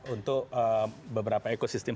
untuk beberapa ekosistem